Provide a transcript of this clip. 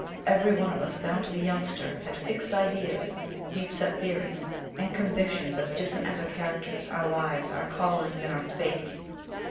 Every one of us, down to the Youngster, had fixed ideas, deep set theories, and convictions as different as our characters, our lives, our callings, and our faiths.